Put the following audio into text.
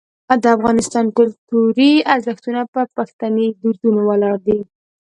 د افغانستان کلتوري ارزښتونه په پښتني دودونو ولاړ دي.